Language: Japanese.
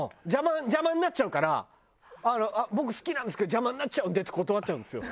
邪魔になっちゃうから「僕好きなんですけど邪魔になっちゃうんで」って断っちゃうんですよ。